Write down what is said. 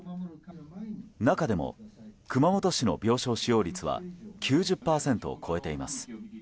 中でも熊本市の病床使用率は９０％を超えています。